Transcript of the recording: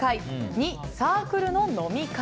２、サークルの飲み会